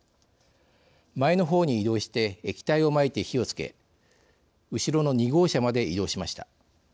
前の方に移動して液体をまいて火をつけ後ろの２号車まで移動しました。